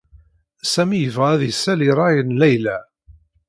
Sami yebɣa ad isel i rray n Layla.